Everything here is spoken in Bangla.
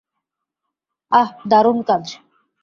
আহ, দারুণ কাজ।